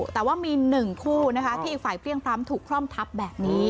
แต่ว่ามี๑คู่นะคะที่อีกฝ่ายเพลี่ยงพล้ำถูกคล่อมทับแบบนี้